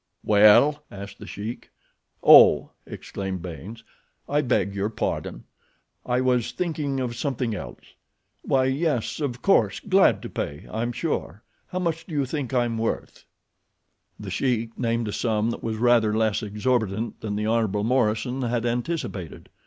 "Well?" asked The Sheik. "Oh," exclaimed Baynes; "I beg your pardon—I was thinking of something else. Why yes, of course, glad to pay, I'm sure. How much do you think I'm worth?" The Sheik named a sum that was rather less exorbitant than the Hon. Morison had anticipated.